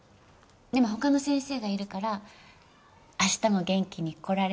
でも他の先生がいるから明日も元気に来られるかな？